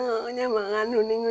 saya juga menganyakan anak itu